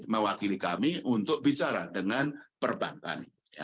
mewakili kami untuk bicara dengan perbankan